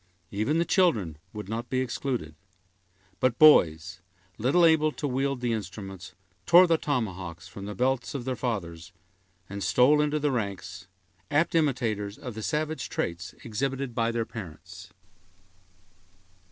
Even the children would not be excluded; but boys, little able to wield the instruments, tore the tomahawks from the belts of their fathers, and stole into the ranks, apt imitators of the savage traits exhibited by their parents.